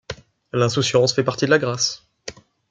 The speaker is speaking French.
L’insouciance fait partie de la grâce